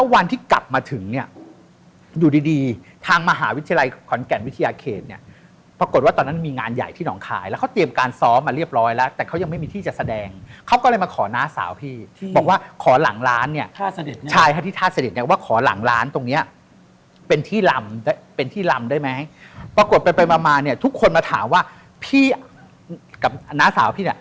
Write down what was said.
วันที่กลับมาถึงเนี่ยอยู่ดีดีทางมหาวิทยาลัยขอนแก่นวิทยาเขตเนี่ยปรากฏว่าตอนนั้นมันมีงานใหญ่ที่หนองคายแล้วเขาเตรียมการซ้อมมาเรียบร้อยแล้วแต่เขายังไม่มีที่จะแสดงเขาก็เลยมาขอน้าสาวพี่บอกว่าขอหลังร้านเนี่ยใช่ค่ะที่ท่าเสด็จเนี่ยว่าขอหลังร้านตรงเนี้ยเป็นที่ลำเป็นที่ลำได้ไหมปรากฏไปไปมามาเนี่ยทุกคนมาถามว่าพี่กับน้าสาวพี่เนี่ย